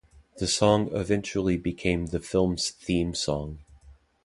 The song eventually became the film's theme song.